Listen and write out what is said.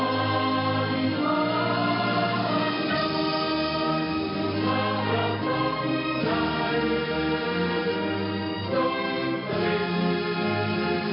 รุ่นสิ้นรันหวังว่าฮารุไทย